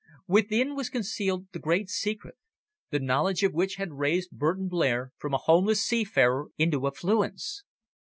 Within was concealed the great secret, the knowledge of which had raised Burton Blair from a homeless seafarer into affluence.